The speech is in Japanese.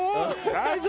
大丈夫？